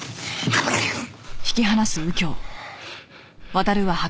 冠城くん！